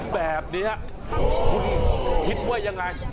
แบบนี้คุณคิดว่ายังไง